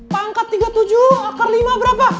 pangkat tiga puluh tujuh per lima berapa